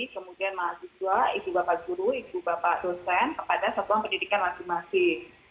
kemudian mahasiswa ibu bapak guru ibu bapak dosen kepada satuan pendidikan masing masing